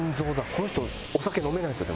この人お酒飲めないんですよでもね。